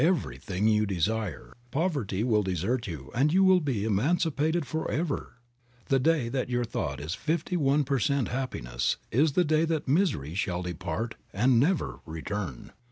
69 everything you desire ; poverty will desert you and you will be emancipated forever. The day you think fifty one per cent, of happiness, misery shall depart and never return.